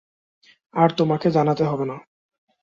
আর তোমাকে জানাতে হবে না।